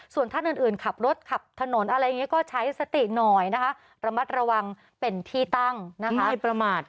ส่วนท่านอื่นขับรถขับถนนอะไรอย่างนี้ก็ใช้สติหน่อยนะคะระมัดระวังเป็นที่ตั้งนะคะไม่ประมาท